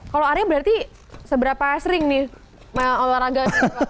kalau aria berarti seberapa sering nih main olahraga